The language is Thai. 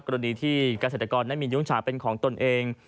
กรณีที่เกษตรกรนั้นมียุ้งฉาเป็นของตนเอง